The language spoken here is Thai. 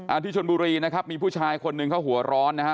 ที่ชนบุรีนะครับมีผู้ชายคนหนึ่งเขาหัวร้อนนะฮะ